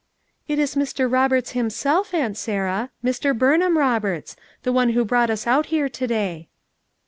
"It is Mr. Roberts himself, Aunt Sarah; Mr. Burnham Roberts ; the one who brought us out here to day."